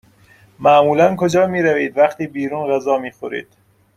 معمولا کجا می روید وقتی بیرون غذا می خورید؟